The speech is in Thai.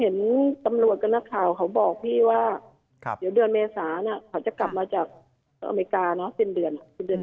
เห็นตำรวจกับนักข่าวเขาบอกพี่ว่าเดี๋ยวเดือนเมษาเขาจะกลับมาจากอเมริกาเนอะสิ้นเดือน